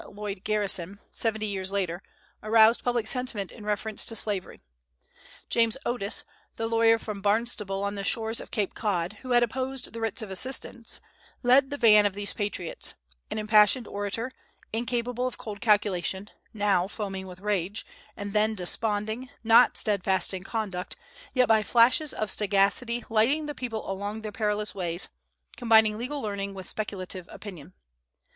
Lloyd Garrison, seventy years later, aroused public sentiment in reference to slavery. James Otis, the lawyer from Barnstable on the shores of Cape Cod, who had opposed the Writs of Assistance, "led the van of these patriots, an impassioned orator, incapable of cold calculation, now foaming with rage, and then desponding, not steadfast in conduct, yet by flashes of sagacity lighting the people along their perilous ways, combining legal learning with speculative opinion."